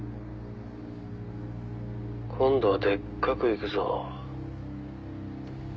「今度はでっかくいくぞ」